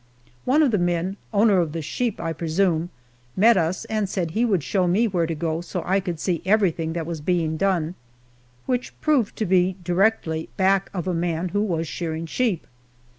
One of the men, owner of the sheep, I presume, met us and said he would show me where to go so I could see everything that was being done, which proved to be directly back of a man who was shearing sheep.